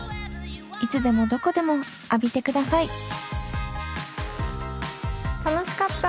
いつでもどこでも浴びてください楽しかった。